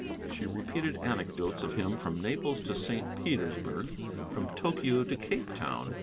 She repeated anecdotes of him from Naples to St. Petersburg, from Tokio to Cape Town.